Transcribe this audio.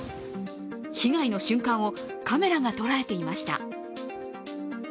被害の瞬間をカメラが捉えていました。